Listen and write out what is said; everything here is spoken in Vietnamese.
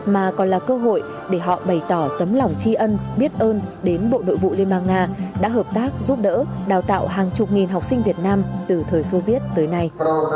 mà còn là cơ hội để họ bày tỏ tấm lòng tri ân biết ơn đến bộ nội vụ liên bang nga đã hợp tác giúp đỡ đào tạo hàng chục nghìn học sinh việt nam từ thời soviet tới nay